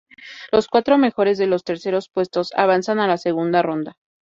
Los cuatro mejores de los terceros puestos avanzan a la segunda ronda.